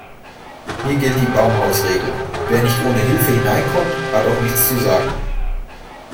Hier gilt die Baumhausregel: Wer nicht ohne Hilfe hineinkommt, hat auch nichts zu sagen.